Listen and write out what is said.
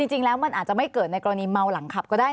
จริงแล้วมันอาจจะไม่เกิดในกรณีเมาหลังขับก็ได้